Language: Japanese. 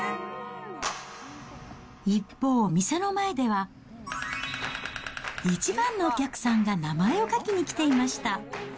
一方、店の前では１番のお客さんが名前を書きに来ていました。